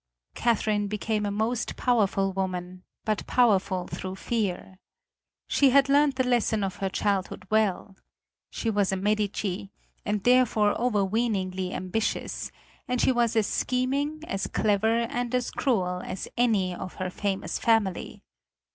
Catherine became a most powerful woman, but powerful through fear. She had learned the lesson of her childhood well. She was a Medici, and therefore overweeningly ambitious, and she was as scheming, as clever, and as cruel as any of her famous family.